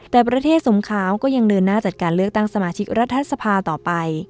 แต่ประเทศสมขาวก็ยังเดินหน้าจัดการเลือกตั้งสมาชิกรัฐสภาต่อไป